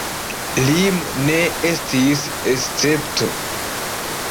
Limo ne estis escepto.